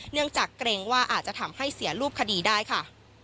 เนื่องจากเปลี่ยนว่าอาจจะทำให้เสียรูปคดีได้ค่ะ